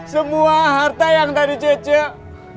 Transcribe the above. semua harta yang tadi cik cik